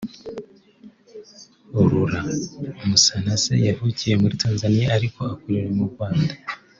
Laura Musanase yavukiye muri Tanzania ariko akurira mu Rwanda